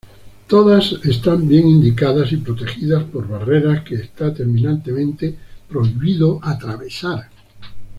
Todas están bien indicadas y protegidas por barreras que está terminantemente prohibido atravesar.